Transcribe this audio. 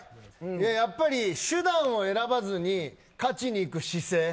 やっぱり手段を選ばずに勝ちにいく姿勢。